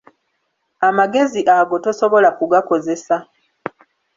Amagezi ago tosobola kugakozesa.